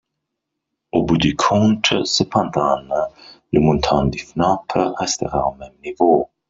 Au bout du compte, cependant, le montant du FNAP restera au même niveau.